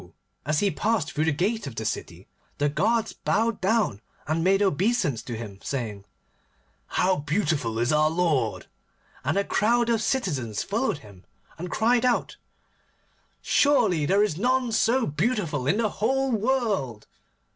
as he passed through the gate of the city, the guards bowed down and made obeisance to him, saying, 'How beautiful is our lord!' and a crowd of citizens followed him, and cried out, 'Surely there is none so beautiful in the whole world!